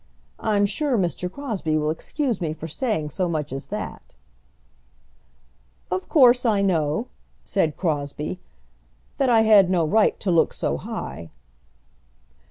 I'm sure Mr. Crosbie will excuse me for saying so much as that." "Of course I know," said Crosbie, "that I had no right to look so high."